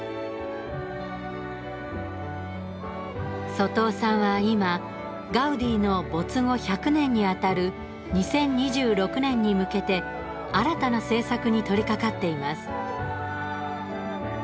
外尾さんは今ガウディの没後１００年にあたる２０２６年に向けて新たな製作に取りかかっています。